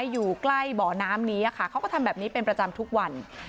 อยู่ใกล้บ่อน้ำนี้ค่ะเขาก็ทำแบบนี้เป็นประจำทุกวัน